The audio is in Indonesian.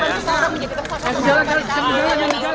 yang rekayasa di cernak sendiri